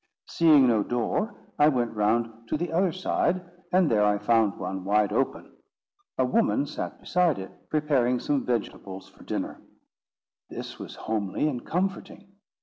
Seeing no door, I went round to the other side, and there I found one, wide open. A woman sat beside it, preparing some vegetables for dinner. This was homely and comforting.